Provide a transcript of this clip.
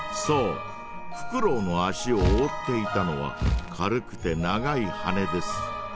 そうフクロウの足をおおっていたのは軽くて長いはねです。